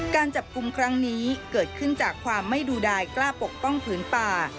การจับกลุ่มครั้งนี้เกิดขึ้นจากความไม่ดูดายกล้าปกป้องผืนป่า